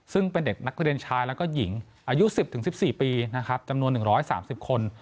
ซึ่งเป็นเด็กนักเรียนชายแล้วก็หญิงอายุ๑๐๑๔ปีนะครับจำนวน๑๓๐คน